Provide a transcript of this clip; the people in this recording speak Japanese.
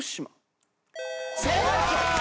正解！